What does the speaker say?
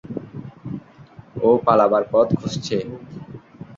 ও পালাবার পথ খুঁজছে।